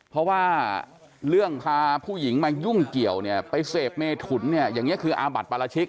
เพราะว่าเรื่องพาผู้หญิงมายุ่งเกี่ยวเนี่ยไปเสพเมถุนเนี่ยอย่างนี้คืออาบัติปราชิก